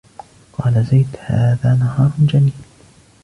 قال زيد: هذا نهار جميل